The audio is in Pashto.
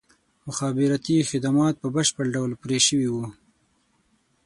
مخابراتي خدمات په بشپړ ډول پرې شوي وو.